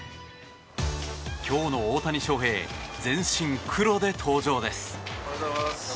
今日の大谷翔平全身黒で登場です。